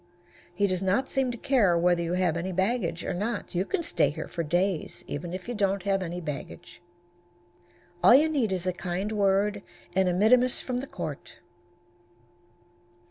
He does not seem to care whether you have any baggage or not. You can stay here for days, even if you don't have any baggage. All you need is a kind word and a mittimus from the court.